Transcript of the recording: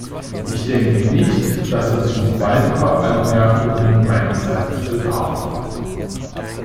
Ich denke nicht, dass es noch weiterer Anmerkungen meinerseits bedarf.